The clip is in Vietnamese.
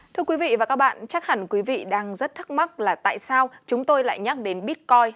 thưa quý vị và các bạn chắc hẳn quý vị đang rất thắc mắc là tại sao chúng tôi lại nhắc đến bitcoin